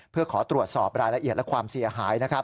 เพื่อขอตรวจสอบรายละเอียดและความเสียหาย